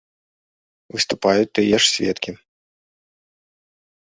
Выступаюць тыя ж сведкі.